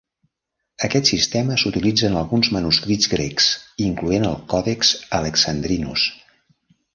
Aquest sistema s'utilitza en alguns manuscrits grecs incloent el Còdex Alexandrinus.